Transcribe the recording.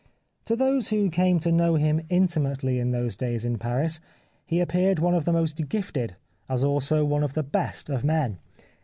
To those who came to know him intimately in those days in Paris he appeared one of the most gifted as also one of the best of men.